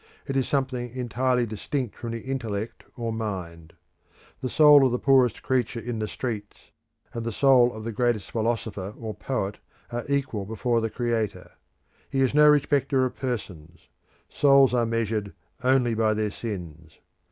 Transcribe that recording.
It is something entirely distinct from the intellect or mind. The soul of the poorest creature in the streets and the souls of the greatest philosopher or poet are equal before the Creator; he is no respecter of person; souls are measured only by their sins.